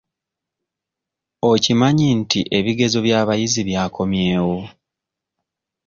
Okimanyi nti ebigezo by'abayizi byakomyewo?